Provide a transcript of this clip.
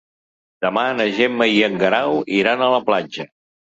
Demà na Gemma i en Guerau iran a la platja.